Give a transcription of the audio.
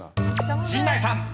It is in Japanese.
［陣内さん］